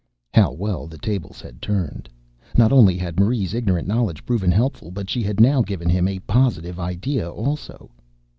How well the tables had turned! Not only had Marie's ignorant knowledge proven helpful but she had now given him a positive idea also.